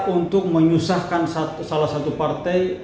untuk menyusahkan salah satu partai